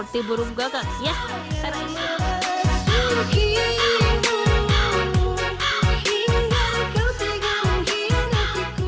tim liputan cnn indonesia